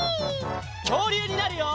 きょうりゅうになるよ！